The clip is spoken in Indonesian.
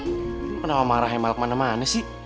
lo kenapa marah yang malek mana mana sih